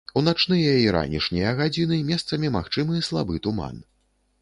У начныя і ранішнія гадзіны месцамі магчымы слабы туман.